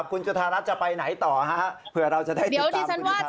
คุณจุธารัฐจะไปไหนต่อฮะเผื่อเราจะได้ติดตามคุณจุธา